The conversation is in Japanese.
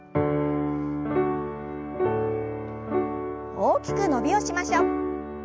大きく伸びをしましょう。